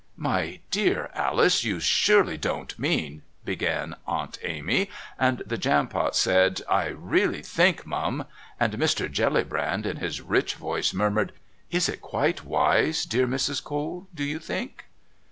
"My dear Alice, you surely don't mean " began Aunt Amy, and the Jampot said: "I really think, Mum ," and Mr. Jellybrand, in his rich voice, murmured: "Is it quite wise, dear Mrs. Cole, do you think?"